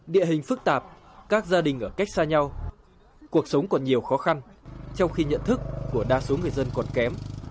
địa hình phức tạp các gia đình ở cách xa nhau cuộc sống còn nhiều khó khăn trong khi nhận thức của đa số người dân còn kém